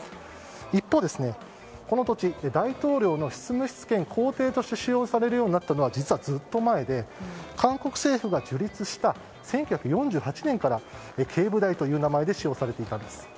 一方、この土地執務室兼公邸として使用されるようになったのは実はずっと前で、韓国政府が樹立した１９４８年から景武台という名前で使用されていました。